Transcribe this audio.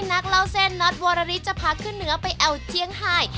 นักเล่าเส้นน็อตวรริสจะพาขึ้นเหนือไปแอวเจียงไฮ